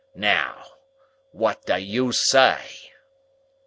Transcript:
Now, what do you say?"